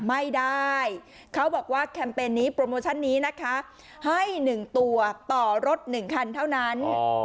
ไม่ได้เขาบอกว่าแคมเปญนี้โปรโมชั่นนี้นะคะให้๑ตัวต่อรถ๑คันเท่านั้น